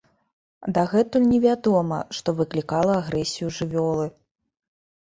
Дагэтуль невядома, што выклікала агрэсію жывёлы.